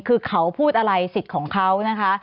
คือเขาพูดอะไรสิทธิ์ของเขานะคะ